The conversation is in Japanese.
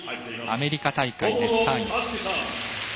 アメリカ大会で３位。